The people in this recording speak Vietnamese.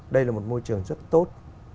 đây là một môi trường rất tốt